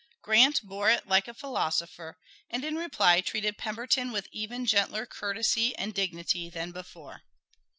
Grant bore it like a philosopher, and in reply treated Pemberton with even gentler courtesy and dignity than before.